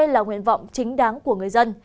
đây là nguyện vọng chính đáng của người dân